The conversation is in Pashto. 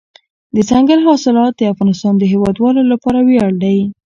دځنګل حاصلات د افغانستان د هیوادوالو لپاره ویاړ دی.